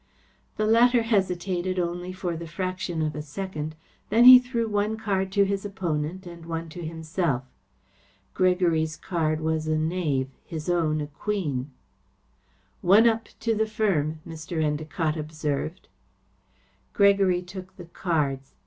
The latter hesitated only for the fraction of a second. Then he threw one card to his opponent and one to himself. Gregory's card was a knave; his own a queen. "One up to the firm," Mr. Endacott observed. Gregory took the cards.